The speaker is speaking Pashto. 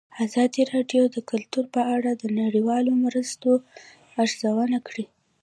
ازادي راډیو د کلتور په اړه د نړیوالو مرستو ارزونه کړې.